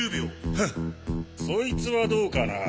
フッそいつはどうかなぁ？